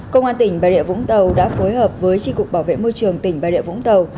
công an tỉnh bà rịa vũng tàu đã phối hợp với tri cục bảo vệ môi trường tỉnh bà rịa vũng tàu